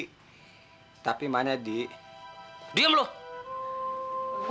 mursinya kamu sebagai anak yang melakukan hal itu di